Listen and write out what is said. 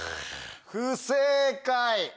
不正解！